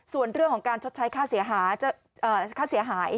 ส่วนเรื่องของการชดใช้ค่าเสียหาย